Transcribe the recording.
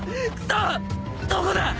どこだ！？